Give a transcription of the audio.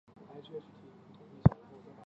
大定二十四年。